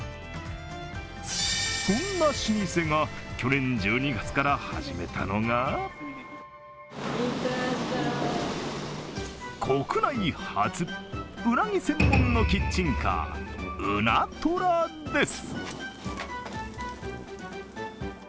そんな老舗が、去年１２月から始めたのが国内初、うなぎ専門のキッチンカー・うなトラです。